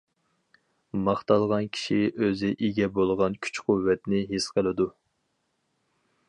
ماختالغان كىشى ئۆزى ئىگە بولغان كۈچ-قۇۋۋەتنى ھېس قىلىدۇ.